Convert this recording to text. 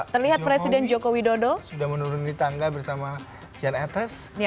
terlihat presiden joko widodo sudah menurun di tangga bersama jan etes